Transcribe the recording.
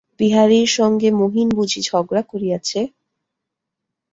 বিহারীর সঙ্গে মহিন বুঝি ঝগড়া করিয়াছে?